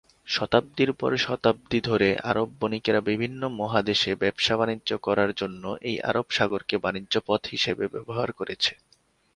শতাব্দির পর শতাব্দি ধরে আরব বণিকেরা বিভিন্ন মহাদেশে ব্যবসা বাণিজ্য করার জন্য এই আরব সাগরকে বাণিজ্য পথ হিসেবে ব্যবহার করেছে।